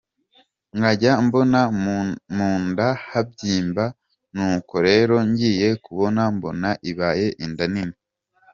Nkajya mbona mu nda habyimba n’uko rero ngiye kubona mbona ibaye inda nini.